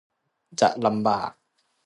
จะลำบาก